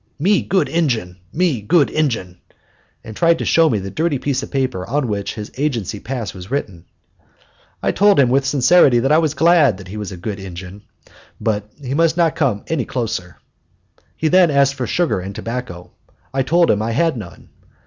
Me good Injun, me good Injun," and tried to show me the dirty piece of paper on which his agency pass was written. I told him with sincerity that I was glad that he was a good Indian, but that he must not come any closer. He then asked for sugar and tobacco. I told him I had none.